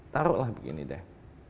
taruhlah begini deh